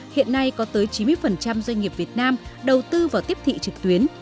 hiện nay có tới chín mươi doanh nghiệp việt nam đầu tư vào tiếp thị trực tuyến